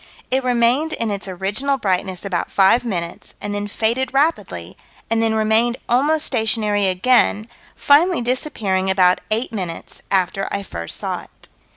"It remained in its original brightness about five minutes, and then faded rapidly, and then remained almost stationary again, finally disappearing about eight minutes after I first saw it."